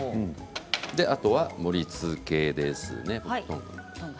あとは盛りつけですね。